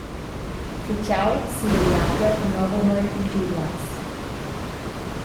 Fitgau sia egliada danovamein engiuviars.